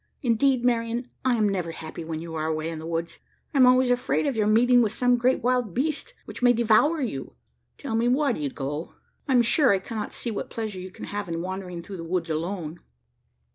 Indeed, Marian, I am never happy when you are away in the woods. I am always afraid of your meeting with some great wild beast, which may devour you. Tell me, why do you go? I am sure I cannot see what pleasure you can have in wandering through the woods alone."